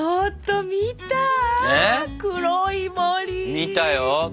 見たよ。